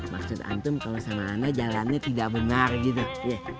maksud antum kalau sama anak jalannya tidak benar gitu